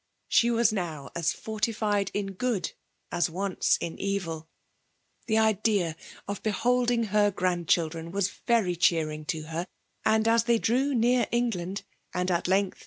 She was now as fartifed in good as once in eviL The idea of beh<^iig ber grandchildren was very cheering to ber; nd, mH^fdremneax England, and at length.